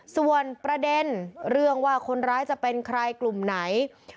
ส่วนประเด็นเรื่องว่าคนร้ายจะเป็นใครกลุ่มไหน